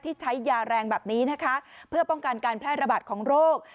ใช้ยาแรงแบบนี้นะคะเพื่อป้องกันการแพร่ระบาดของโรค